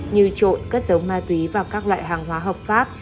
như trộn cất dấu ma túy và các loại hàng hóa hợp pháp